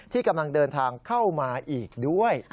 ที่กำลังเดินทางเข้ามาอีกด้วย